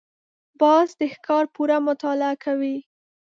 باز د ښکار پوره مطالعه کوي